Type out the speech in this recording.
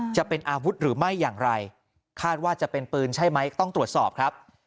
จะเป็นอาวุธหรือไม่อย่างไรคาดว่าจะเป็นปืนใช่ไหมต้องตรวจสอบครับ